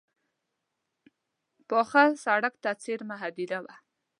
پاخه سړک ته څېرمه هدیره وه.